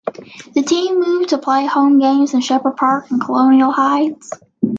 The team moved to play home games at Shepherd Park in Colonial Heights.